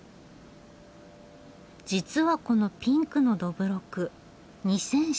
実はこのピンクのどぶろく２００７年に。